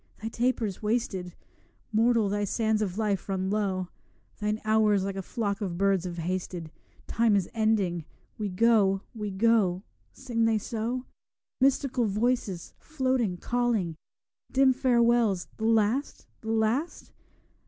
'Thy taper's wasted; Mortal, thy sands of life run low; Thine hours like a flock of birds have hasted: Time is ending; we go, we go.' Sing they so? Mystical voices, floating, calling; Dim farewells the last, the last?